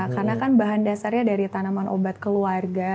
karena kan bahan dasarnya dari tanaman obat keluarga